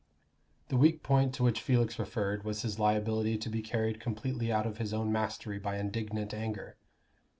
The weak point to which Felix referred was his liability to be carried completely out of his own mastery by indignant anger.